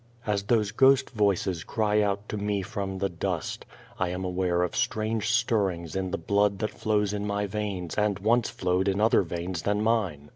As those ghost voices cry out to me from the dust, I am aware of strange stirrings in the blood that flows in my veins and once flowed in other veins than mine.